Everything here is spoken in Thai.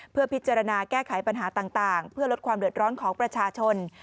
เพื่อพิจารณาแก้ไขปัญหาต่างเพื่อลดความเดือดร้อนของประชาชน